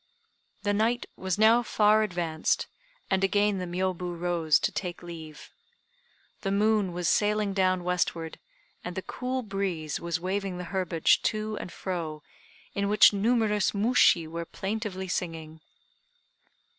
The night was now far advanced, and again the Miôbu rose to take leave. The moon was sailing down westward and the cool breeze was waving the herbage to and fro, in which numerous mushi were plaintively singing.